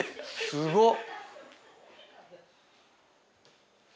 すごっ。